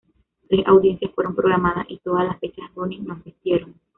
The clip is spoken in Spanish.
Tres audiencias fueron programadas, y todas las fechas, Ronnie no asistieron.